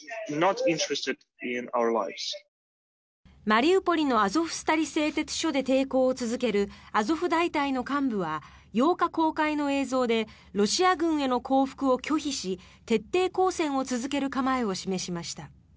マリウポリのアゾフスタリ製鉄所で抵抗を続けるアゾフ大隊の幹部は８日公開の映像でロシア軍への降伏を拒否し徹底抗戦を続ける構えを示しました。